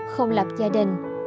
không lập gia đình